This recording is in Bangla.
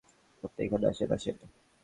আপনি এখানে আসেন, আসেন।